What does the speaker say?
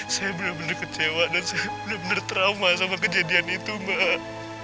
saya benar benar kecewa dan saya benar benar trauma sama kejadian itu mbak